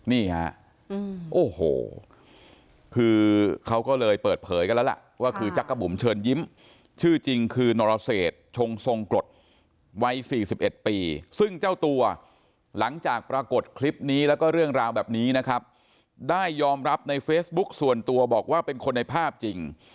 นี่ฮะโอ้โหคือเขาก็เลยเปิดเผยกันแล้วล่ะว่าคือจักรบุ๋มเชิญยิ้มชื่อจริงคือนรเศษชงทรงกรดวัย๔๑ปีซึ่งเจ้าตัวหลังจากปรากฏคลิปนี้แล้วก็เรื่องราวแบบนี้นะครับได้ยอมรับในเฟซบุ๊คส่วนตัวบอกว่าเป็นคนในภาพจริง